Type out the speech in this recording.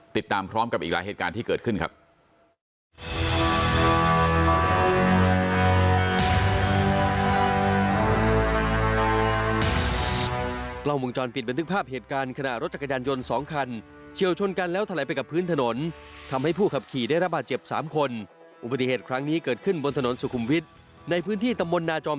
ติดตามพร้อมกับอีกหลายเหตุการณ์ที่เกิดขึ้นครับ